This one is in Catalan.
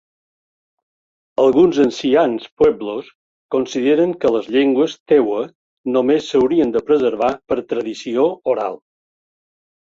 Alguns ancians pueblos consideren que les llengües tewa només s'haurien de preservar per tradició oral.